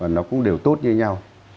nó cũng đều tốt như nhau